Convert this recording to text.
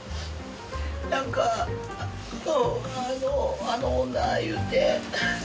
何かあの女いうて。